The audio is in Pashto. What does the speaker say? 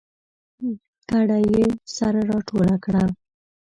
کډه یې سره راټوله کړه